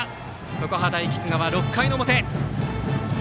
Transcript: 常葉大菊川、６回の表。